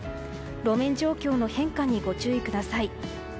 路面状況の変化にご注意ください。